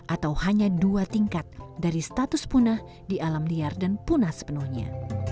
atau hanya dua tingkat dari status punah di alam liar dan punah sepenuhnya